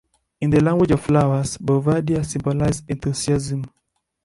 In the language of flowers, Bouvardia symbolize enthusiasm.